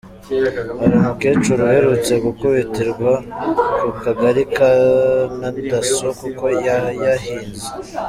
Hari umukecuru uherutse gukubitirwa ku Kagari na Dasso kuko yayahinze.